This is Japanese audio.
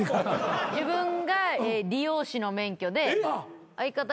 自分が理容師の免許で相方が。